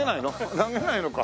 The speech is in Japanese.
投げないのか。